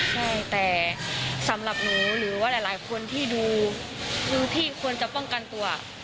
ใช่แต่สำหรับหนูหรือว่าหลายคนที่ดูที่ควรจะป้องกันตัว